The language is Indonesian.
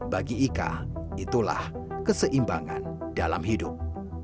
bagi ika itulah keseimbangan dalam hidup